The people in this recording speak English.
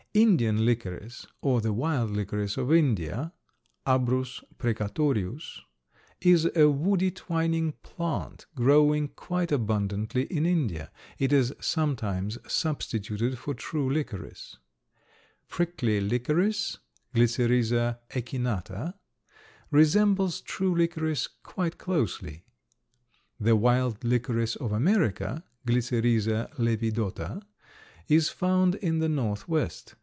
Indian licorice or the wild licorice of India (Abrus precatorius), is a woody twining plant growing quite abundantly in India; it is sometimes substituted for true licorice. Prickly licorice (Glycyrrhiza echinata) resembles true licorice quite closely. The wild licorice of America (Glycyrrhiza lepidota) is found in the Northwest.